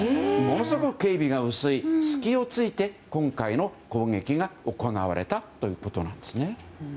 ものすごく警備が薄い隙を突いて今回の攻撃が行われたということなんです。